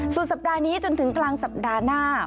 สุดสัปดาห์นี้จนถึงกลางสัปดาห์หน้า